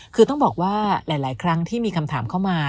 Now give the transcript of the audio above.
คือต้องบอกว่าหลายครั้งที่มีคำถามเข้ามา